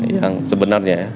yang sebenarnya ya